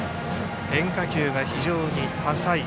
変化球が非常に多彩。